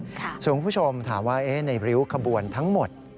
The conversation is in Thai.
คุณผู้ชมถามว่าในริ้วขบวนทั้งหมด